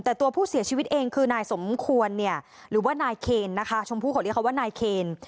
แต่ตัวผู้เสียชีวิตเองคือนายสมควรเนี่ยหรือว่านายเคนนะคะชมพู่ขอเรียกเขาว่านายเคน